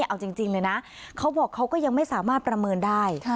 เอาจริงเลยนะเขาบอกเขาก็ยังไม่สามารถประเมินได้